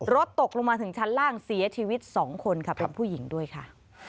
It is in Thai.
ตกลงมาถึงชั้นล่างเสียชีวิต๒คนค่ะเป็นผู้หญิงด้วยค่ะ